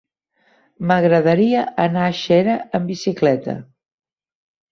M'agradaria anar a Xera amb bicicleta.